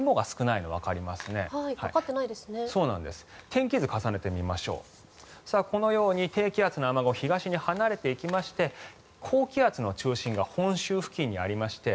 天気図を重ねてみましょうこのように低気圧の雨雲東に離れていきまして高気圧の中心が本州付近にありまして